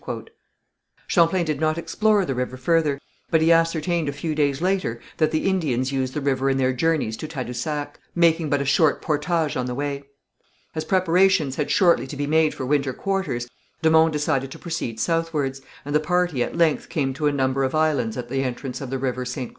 Champlain did not explore the river further, but he ascertained a few days later that the Indians used the river in their journeys to Tadousac, making but a short portage on the way. As preparations had shortly to be made for winter quarters, de Monts decided to proceed southwards, and the party at length came to a number of islands at the entrance of the river Ste.